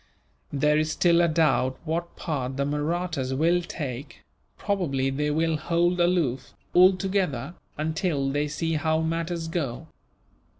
There is still a doubt what part the Mahrattas will take probably they will hold aloof, altogether, until they see how matters go.